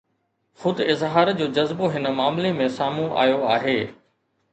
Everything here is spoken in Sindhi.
خود اظهار جو جذبو هن معاملي ۾ سامهون آيو آهي